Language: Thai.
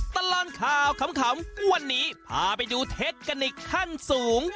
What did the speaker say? ตลอดข่าวขำวันนี้พาไปดูเทคนิคขั้นสูง